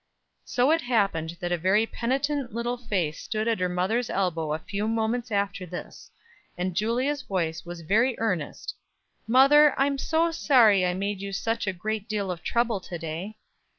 So it happened that a very penitent little face stood at her mother's elbow a few moments after this; and Julia's voice was very earnest: "Mother, I'm so sorry I made you such a great deal of trouble to day."